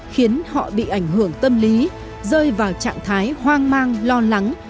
khiến họ bị ảnh hưởng tâm lý rơi vào trạng thái hoang mang lo lắng